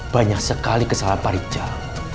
banyak sekali kesalahan pak rijal